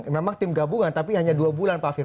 memang tim gabungan tapi hanya dua bulan pak firl